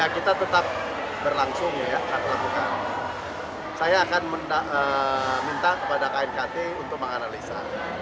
kita tetap berlangsung saya akan minta kepada knkt untuk menganalisa